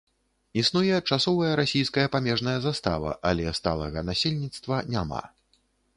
Існуе часовая расійская памежная застава, але сталага насельніцтва няма.